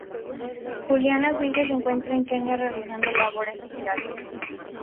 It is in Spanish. Juliana su hija se encuentra en Kenia realizando labores sociales.